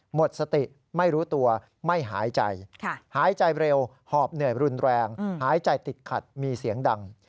หมดสติไม่รู้ตัวไม่หายใจหายใจเร็วหอบเหนื่อยรุนแรงหายใจติดขัดมีเสียงดัง